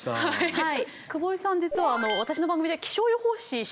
はい。